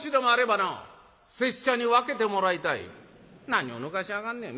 「何をぬかしやがんねん。